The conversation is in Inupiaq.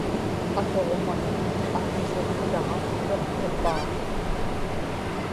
atuġman akił̣uktaġaqtuq nipaa